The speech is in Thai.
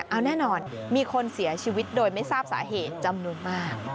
เอาแน่นอนมีคนเสียชีวิตโดยไม่ทราบสาเหตุจำนวนมาก